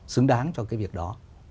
xứng đáng cho cái việc đó